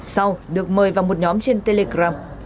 sau được mời vào một nhóm trên telegram